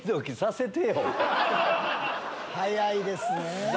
早いですね。